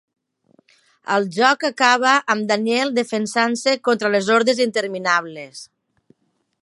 El joc acaba amb Daniel defensant-se contra les hordes interminables.